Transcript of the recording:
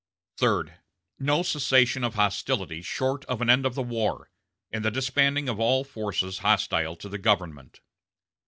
Third. No cessation of hostilities short of an end of the war, and the disbanding of all forces hostile to the government.